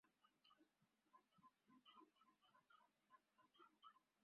অনুষ্ঠানে অংশগ্রহণকারীরা ভবিষ্যতে দুর্নীতি বিরুদ্ধে আরও সক্রিয়ভাবে ভূমিকা পালনের প্রতিশ্রুতি দেন।